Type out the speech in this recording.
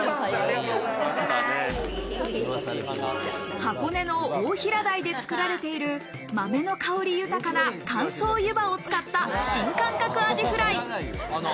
箱根の大平台で作られている、豆の香り豊かな乾燥湯葉を使った新感覚アジフライ。